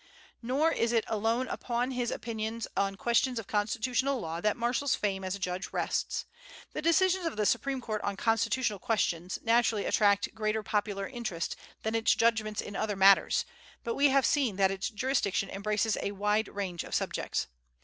Nor is it alone upon his opinions on questions of constitutional law that Marshall's fame as a judge rests. The decisions of the Supreme Court on constitutional questions naturally attract greater popular interest than its judgments in other matters; but we have seen that its jurisdiction embraces a wide range of subjects.